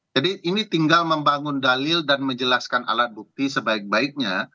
jadi ini tinggal membangun dalil dan menjelaskan alat bukti sebaik baiknya